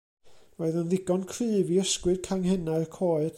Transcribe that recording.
Roedd yn ddigon cryf i ysgwyd canghennau'r coed.